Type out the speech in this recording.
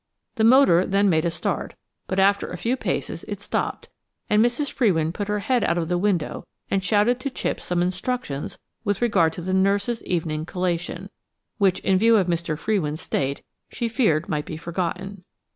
The motor then made a start, but after a few paces it stopped, and Mrs. Frewin put her head out of the window and shouted to Chipps some instructions with regard to the nurses' evening collation, which, in view of Mr. Frewin's state, she feared might be forgotten.